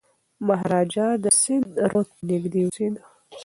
مهاراجا د سند رود ته نږدې اوسېده.